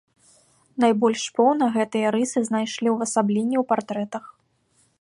Найбольш поўна гэтыя рысы знайшлі ўвасабленне ў партрэтах.